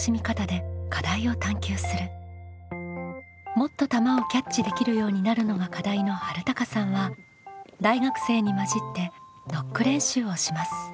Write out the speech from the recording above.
「もっと球をキャッチできるようになる」のが課題のはるたかさんは大学生に交じってノック練習をします。